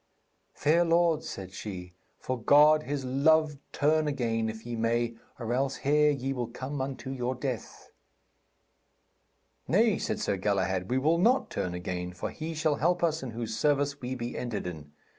'Fair lords,' said she, 'for God His love turn again if ye may, or else here ye will come unto your death.' 'Nay,' said Sir Galahad, 'we will not turn again, for He shall help us in whose service we be entered in.